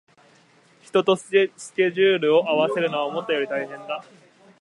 人とスケジュールを合わせるのは思ったより大変だ